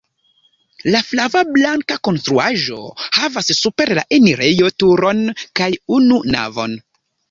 La flava-blanka konstruaĵo havas super la enirejo turon kaj unu navon.